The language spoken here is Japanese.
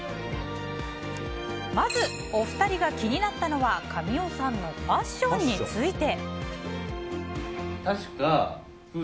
まず、お二人が気になったのは神尾さんのファッションについて。